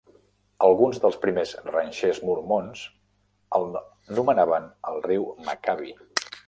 Alguns dels primers ranxers mormons el nomenaven el Riu Macaby.